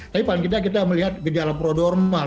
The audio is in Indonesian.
tapi paling tidak kita melihat gejala prodormal